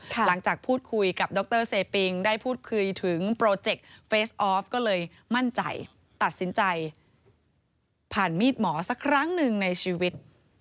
สักครั้งหนึ่งในชีวิต